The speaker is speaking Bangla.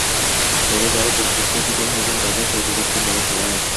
তবে যাঁরা দুর্ভোগের শিকার হয়েছেন, তাঁদের প্রতি দুঃখ প্রকাশ করা হয়।